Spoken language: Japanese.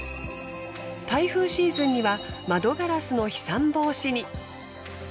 台風シーズンには窓ガラスの飛散防止に。